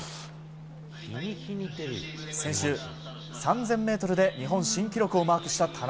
先週３０００ｍで日本新記録をマークした田中。